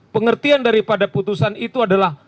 pengertian daripada putusan itu adalah